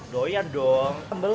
doi ya dong